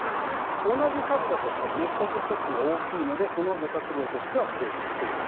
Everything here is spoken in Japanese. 同じ数だとしても１つ１つが大きいのでその漁獲量としては増えてきていると。